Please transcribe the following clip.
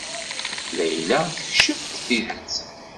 Layla tekcef-d tidet.